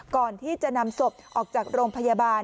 ก่อนที่จะนำศพออกจากโรงพยาบาล